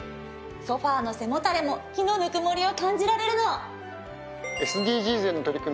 ソファの背もたれも木のぬくもりを感じられるの。